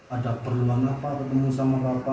ada perluan apa ketemu sama bapak